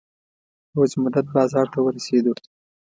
حوض مدد بازار ته ورسېدو.